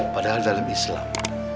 padahal dalam islam